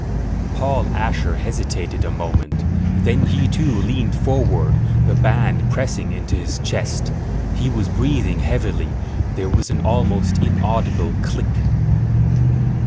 _Paul Asher hesitated a moment. Then he too leaned forward, the band pressing into his chest. He was breathing heavily. There was an almost inaudible click.